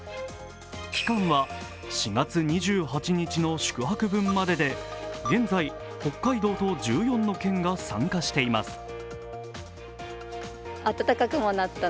期間は４月２８日の宿泊分までで、現在、北海道と１４の県が参加しています。